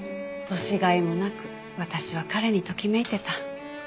年甲斐もなく私は彼にときめいてた。